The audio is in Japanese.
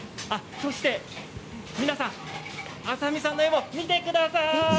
そして皆さんＡｓａｍｉさんの絵も見てください。